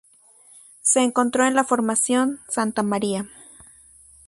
Se encontró en la Formación Santa María.